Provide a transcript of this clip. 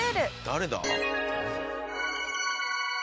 誰だ？